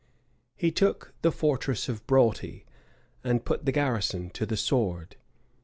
He took the fortress of Broughty, and put the garrison to the sword.